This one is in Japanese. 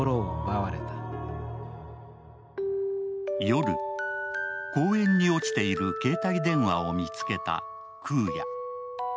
夜、公園に落ちている携帯電話を見つけた空也。